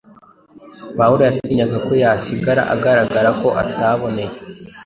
pawulo yatinyaga ko yasigara agaragara ko ataboneye